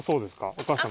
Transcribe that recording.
お義母さん。